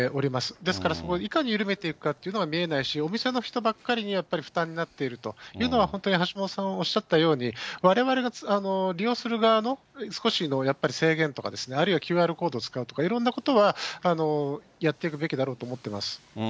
ですから、いかに緩めていくかっていうところが見えないし、お店の人ばっかりにやっぱり負担になっているというのは、本当に橋下さんがおっしゃったように、われわれが利用する側の、少しのやっぱり制限とかですね、あるいはＱＲコード使うとか、いろんなことはやっていくべきだろうと思っています。